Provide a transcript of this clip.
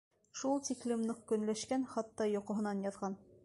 Шул тиклем ныҡ көнләшкән, хатта йоҡоһонан яҙған.